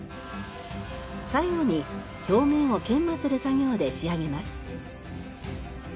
最後に表面を研磨する作業で仕上げます。